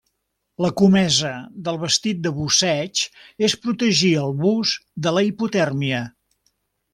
La comesa del vestit de busseig és protegir al bus de la hipotèrmia.